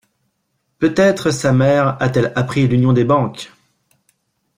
Peut-être sa mère a-t-elle appris l'union des banques.